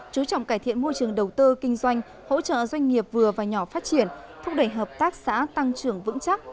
chú trọng cải thiện môi trường đầu tư kinh doanh hỗ trợ doanh nghiệp vừa và nhỏ phát triển thúc đẩy hợp tác xã tăng trưởng vững chắc